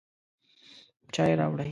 چای راوړئ